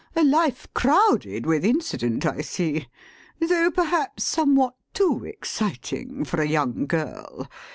A life crowded with incident, I see; though perhaps somewhat too exciting for a young girl.